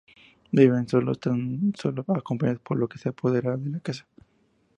Viven solos, tan solo acompañados por lo que se apodera de la casa.